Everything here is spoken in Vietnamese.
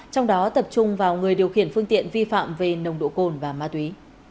trong đó tập trung vào người điều khiển phương tiện vi phạm về nồng độ cồn và ma túy